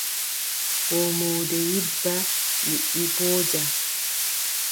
Foomoonde yibba, liɗɗi mbooja.